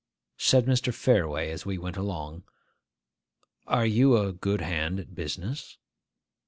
Said Mr. Fareway, as we went along, 'Are you a good hand at business?